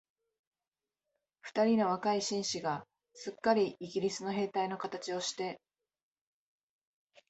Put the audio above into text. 二人の若い紳士が、すっかりイギリスの兵隊のかたちをして、